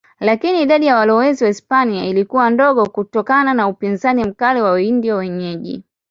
Lakini idadi ya walowezi Wahispania ilikuwa ndogo kutokana na upinzani mkali wa Waindio wenyeji.